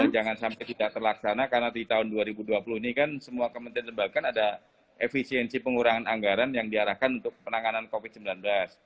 jangan sampai tidak terlaksana karena di tahun dua ribu dua puluh ini kan semua kementerian lembaga ada efisiensi pengurangan anggaran yang diarahkan untuk penanganan covid sembilan belas